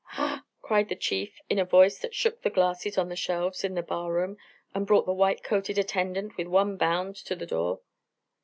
",!" cried the Chief in a voice that shook the glasses on the shelves in the bar room and brought the white coated attendant with one bound to the door.